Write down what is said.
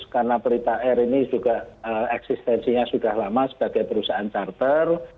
karena plita air ini juga eksistensinya sudah lama sebagai perusahaan charter